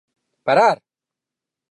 ¡Parar!